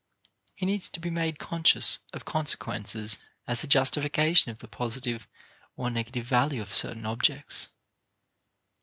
He needs to be made conscious of consequences as a justification of the positive or negative value of certain objects.